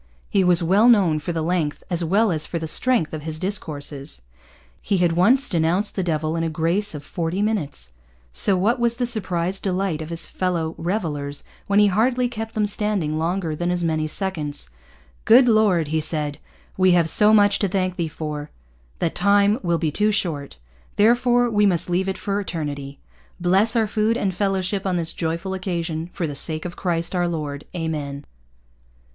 He was well known for the length, as well as for the strength, of his discourses. He had once denounced the Devil in a grace of forty minutes. So what was the surprised delight of his fellow revellers when he hardly kept them standing longer than as many seconds. 'Good Lord!' he said, 'we have so much to thank Thee for, that Time will be too short. Therefore we must leave it for Eternity. Bless our food and fellowship on this joyful occasion, for the sake of Christ our Lord. Amen!'